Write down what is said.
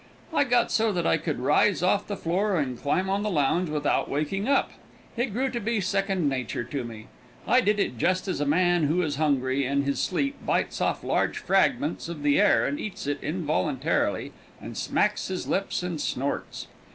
I got so that I could rise off the floor and climb on the lounge without waking up. It grew to be second nature to me. I did it just as a man who is hungry in his sleep bites off large fragments of the air and eats it involuntarily and smacks his lips and snorts.